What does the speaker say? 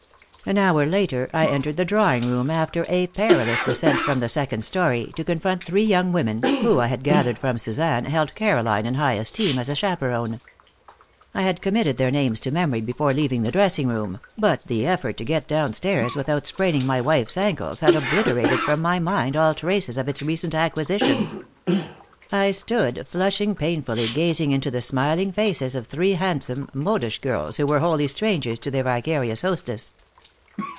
An hour later, I entered the drawing room after a perilous descent from the second story, to confront three young women, who, I had gathered from Suzanne, held Caroline in high esteem as a chaperon. I had committed their names to memory before leaving the dressing room, but the effort to get down stairs without spraining my wife's ankles had obliterated from my mind all traces of its recent acquisition. I stood, flushing painfully, gazing into the smiling faces of three handsome, modish girls who were wholly strangers to their vicarious hostess.